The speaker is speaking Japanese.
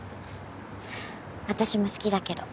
私も好きだけど。